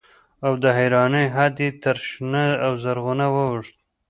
او د حيرانۍ حد يې تر شنه او زرغونه واوښت.